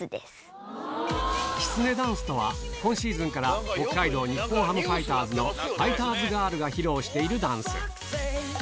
今シーズンから北海道日本ハムファイターズのファイターズガールが披露しているダンス